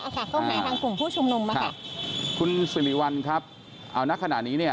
เข้าหาทางกลุ่มผู้ชุมนุมอ่ะค่ะคุณสิริวัลครับเอานักขณะนี้เนี่ย